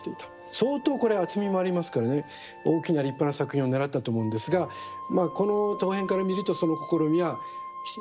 相当これは厚みもありますからね大きな立派な作品をねらったと思うんですがまあこの陶片から見るとその試みはまあ残念ながらということで。